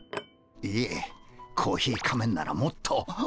いえコーヒー仮面ならもっと。